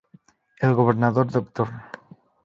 El Gobernador Dr.